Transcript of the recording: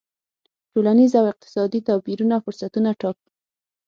ټولنیز او اقتصادي توپیرونه فرصتونه ټاکي.